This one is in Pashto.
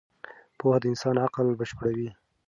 پوهه د انسان عقل بشپړوي.